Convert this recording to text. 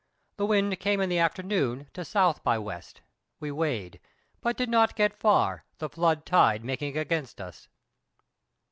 The wind came in the afternoon to S. by W.; we weighed, but did not get far, the flood tide making against us.